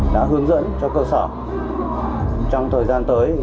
đã hướng dẫn cho cơ sở trong thời gian tới